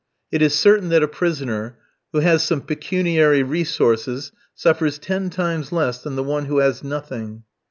It is certain that a prisoner who has some pecuniary resources suffers ten times less than the one who has nothing.